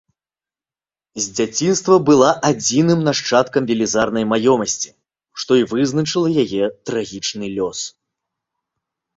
З дзяцінства была адзіным нашчадкам велізарнай маёмасці, што і вызначыла яе трагічны лёс.